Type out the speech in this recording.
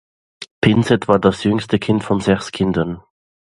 Pinsent war das jüngste Kind von sechs Kindern.